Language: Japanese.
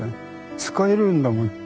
使えるんだもん。